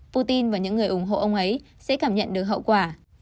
putin và những người ủng hộ ông ấy sẽ cảm nhận được hậu quả